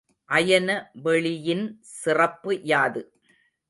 அயன வெளியின் சிறப்பு யாது?